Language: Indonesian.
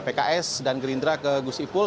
pks dan gerindra ke gusipul